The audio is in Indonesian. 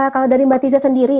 kalau dari mbak tiza sendiri